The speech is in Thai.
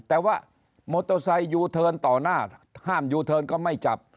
แต่ว่ามอเตอร์ไซค์ยูเทิร์นต่อหน้าห้ามยูเทิร์นก็ไม่จับ